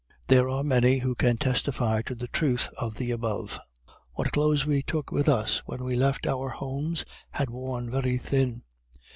There are many who can testify to the truth of the above. What clothes we took with us when we left our homes had worn very thin.